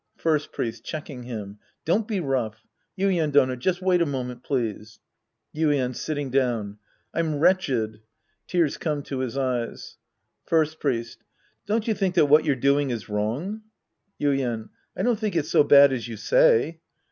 First Priest {checking hii^). Don't be rough,' Yuien Dono, just wait a moment, please. Yuien (sitting dowri). I'm wretched. {Tears come to his eyes.) First Priest. Don't you think that what you're doing is wrong ? Yuien. I don't think it's so bad as you say.